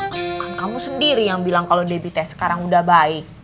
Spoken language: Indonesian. bukan kamu sendiri yang bilang kalo debbie teh sekarang udah baik